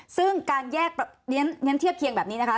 ซึ่งการแยกเรียนเทียบเคียงแบบนี้นะคะ